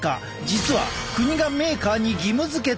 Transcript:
実は国がメーカーに義務づけている！